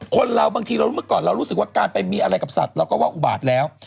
คนเราบางทีเราเมื่อก่อนเรารู้สึกว่าการไปมีอะไรกับสัตว์เราก็ว่าอุบาตแล้ว